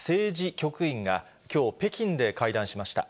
局員がきょう、北京で会談しました。